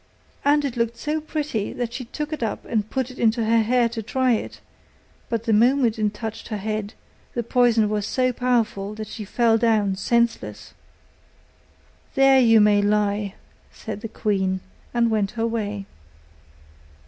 And it looked so pretty, that she took it up and put it into her hair to try it; but the moment it touched her head, the poison was so powerful that she fell down senseless. 'There you may lie,' said the queen, and went her way.